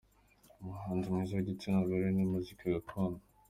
Umuhanzi mwiza w’igitsina gore mu muziki gakondo.